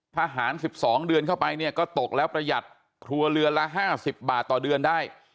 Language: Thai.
ทหาร๑๒เดือนเข้าไปเนี่ยก็ตกแล้วประหยัดครัวเรือนละ๕๐บาทต่อเดือนได้